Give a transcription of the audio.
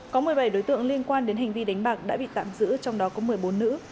có một mươi bảy đối tượng liên quan đến hành vi đánh bạc đã bị tạm giữ trong đó có một mươi bốn nữ